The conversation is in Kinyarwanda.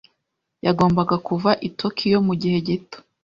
Yagombaga kuva i Tokiyo mu gihe gito.